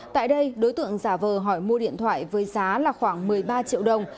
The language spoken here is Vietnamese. tại đây đối tượng giả vờ hỏi mua điện thoại với giá là khoảng một mươi ba triệu đồng